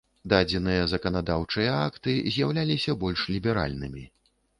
Дадзеныя заканадаўчыя акты з'яўляліся больш ліберальнымі.